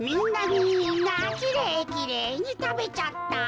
みんなきれいきれいにたべちゃった。